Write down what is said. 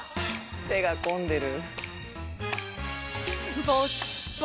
手が込んでる。